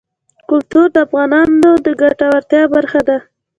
کلتور د افغانانو د ګټورتیا برخه ده.